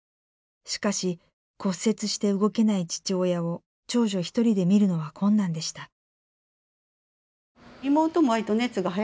しかし骨折して動けない父親を長女一人で見るのは困難でした。